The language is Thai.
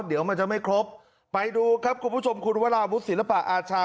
เดี๋ยวมันจะไม่ครบไปดูครับคุณผู้ชมคุณวราวุฒิศิลปะอาชา